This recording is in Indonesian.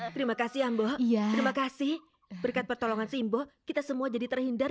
terima kasih ambo iya terima kasih berkat pertolongan simbo kita semua jadi terhindar